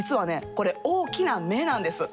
これ大きな目なんです。